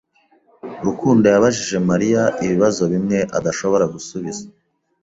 Rukundo yabajije Mariya ibibazo bimwe adashobora gusubiza.